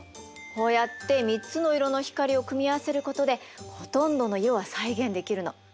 こうやって３つの色の光を組み合わせることでほとんどの色は再現できるの。